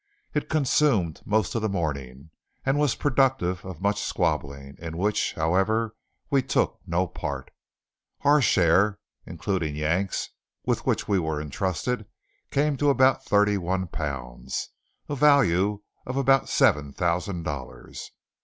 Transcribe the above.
It consumed most of the morning, and was productive of much squabbling, in which, however, we took no part. Our share, including Yank's with which we were intrusted came to about thirty one pounds: a value of about seven thousand dollars.